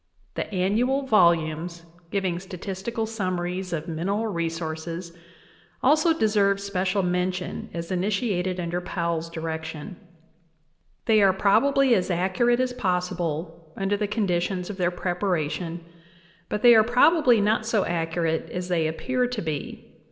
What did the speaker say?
The annual volumes giving statistical summaries of mineral resources also deserve special mention as initiated under Powell's direction. They are probably as accurate as possible under the conditions of their preparation, but they are prob ably not so accurate as they appear to be.